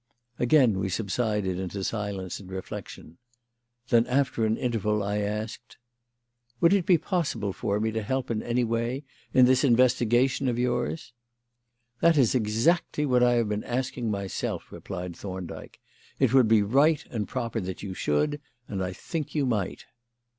Again we subsided into silence and reflection. Then, after an interval, I asked: "Would it be possible for me to help in any way in this investigation of yours?" "That is exactly what I have been asking myself," replied Thorndyke. "It would be right and proper that you should, and I think you might."